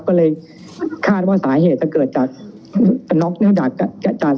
คาดว่าสาเหตุจะเกิดจากจะน็อกเนื้อดัดจากจากการเสพยาครับ